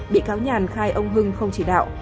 bị cáo nhàn khai ông hưng không chỉ đạo